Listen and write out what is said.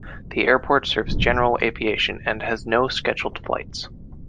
The airport serves general aviation and has no scheduled flights.